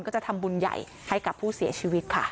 จะทำบุญใหญ่ให้กับผู้เสียชีวิตค่ะ